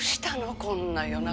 こんな夜中。